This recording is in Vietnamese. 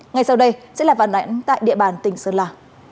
ngay sau đây sẽ là vạn ảnh tại địa bàn tỉnh sơn la